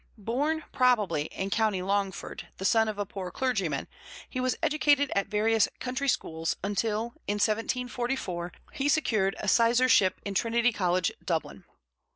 Born, probably, in Co. Longford, the son of a poor clergyman, he was educated at various country schools until, in 1744, he secured a sizarship in Trinity College, Dublin.